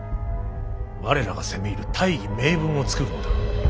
我らが攻め入る大義名分を作るのだ。